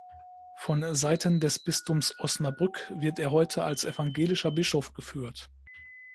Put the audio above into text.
Von Seiten des Bistums Osnabrück wird er heute als evangelischer Bischof geführt.